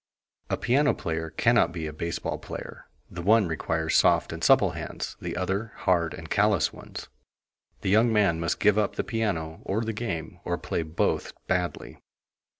A piano player cannot be a base ball player: the one requires soft and supple hands, the other hard and callous ones. The young man must give up the piano or the game, or play both badly.